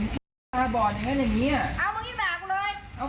กลับเลยกลับ